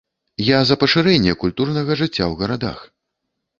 Я за пашырэнне культурнага жыцця ў гарадах.